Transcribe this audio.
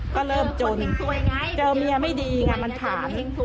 ก็เริ่มจนเจอเมียไม่ดีไงมันถาม